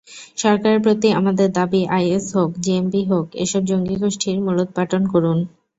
সরকারের প্রতি আমাদের দাবি, আইএস হোক, জেএমবি হোক, এসব জঙ্গিগোষ্ঠীর মূলোৎপাটন করুন।